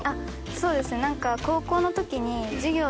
そうですね。